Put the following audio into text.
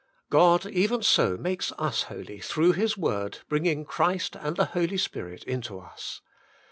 God even so makes us holy through His word bringing Christ and the Holy Spirit into us.